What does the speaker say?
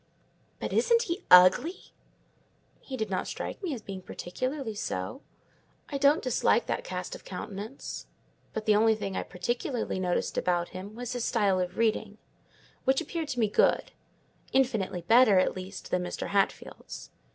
"But isn't he ugly?" "He did not strike me as being particularly so; I don't dislike that cast of countenance: but the only thing I particularly noticed about him was his style of reading; which appeared to me good—infinitely better, at least, than Mr. Hatfield's.